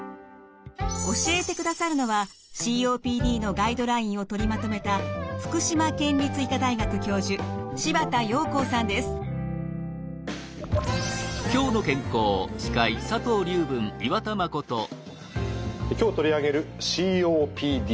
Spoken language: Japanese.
教えてくださるのはＣＯＰＤのガイドラインを取りまとめた今日取り上げるＣＯＰＤ。